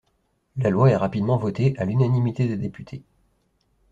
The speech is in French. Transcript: La loi est rapidement votée à l'unanimité des députés.